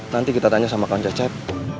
tadi kita tanya sama kawan jacep